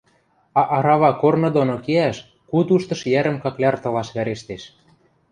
а арава корны доно кеӓш куд уштыш йӓрӹм какляртылаш вӓрештеш.